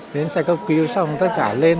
đến xe cấp cứu xong tất cả lên